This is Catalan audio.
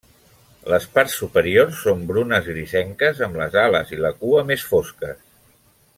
Les parts superiors són brunes grisenques, amb les ales i la cua més fosques.